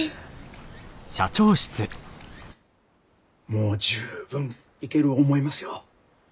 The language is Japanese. もう十分いける思いますよ。